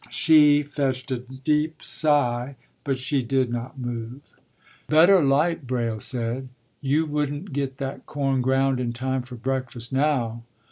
She fetched a deep sigh, but she did not move. “Better light,” Braile said; “you wouldn't get that corn ground in time for breakfast, now.